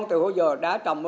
từ hồi giờ đã trồng